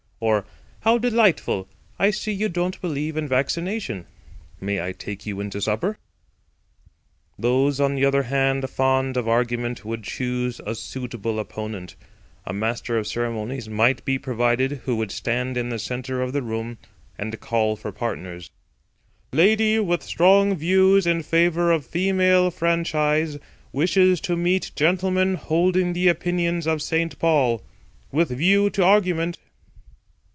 Or, "How delightful. I see you don't believe in vaccination. May I take you into supper?" Those, on the other hand, fond of argument would choose a suitable opponent. A master of ceremonies might be provided who would stand in the centre of the room and call for partners: "Lady with strong views in favour of female franchise wishes to meet gentleman holding the opinions of St. Paul. With view to argument."